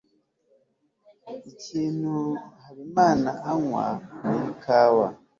ikintu habimana anywa ni ikawa